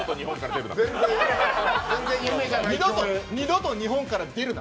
二度と日本から出るな。